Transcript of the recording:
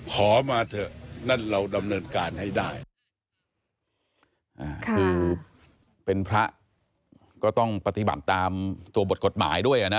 คือเป็นพระก็ต้องปฏิบัติตามตัวบทกฎหมายด้วย